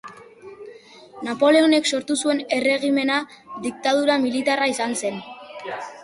Napoleonek sortu zuen erregimena diktadura militarra izan zen.